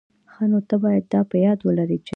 ښه، نو ته بايد دا په یاد ولري چي...